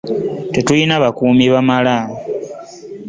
Tetulina bukuumi bumala.